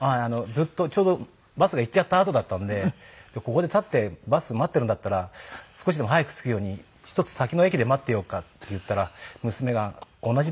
ずっとちょうどバスが行っちゃったあとだったんで「ここで立ってバス待ってるんだったら少しでも早く着くように１つ先の駅で待ってようか」って言ったら娘が「同じバスだよ」